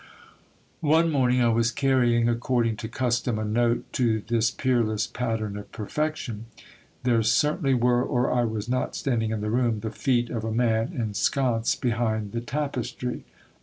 One morning I was carrying, according to custom, a note to this peerless pattern of perfection. There certainly were, or I was not standing in the room, the feet of a man ensconced behind the tapestiy.